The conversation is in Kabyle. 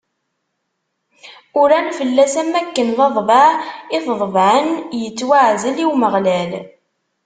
Uran fell-as am akken d aḍbaɛ i t-ḍebɛen: Ittwaɛzel i Umeɣlal.